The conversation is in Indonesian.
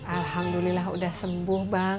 alhamdulillah udah sembuh bang